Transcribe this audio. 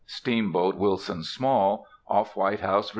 _ Steamboat Wilson Small, Off White House, Va.